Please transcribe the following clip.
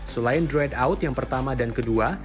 selain dreadout yang pertama dan kedua